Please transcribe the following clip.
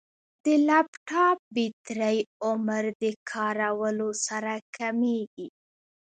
د لپټاپ بیټرۍ عمر د کارولو سره کمېږي.